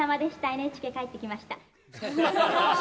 ＮＨＫ帰ってきました。